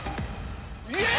イェーイ！